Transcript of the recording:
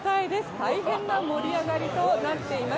大変な盛り上がりとなっています。